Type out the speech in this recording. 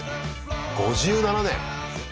５７年。